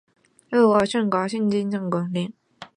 河南省固始县历史悠久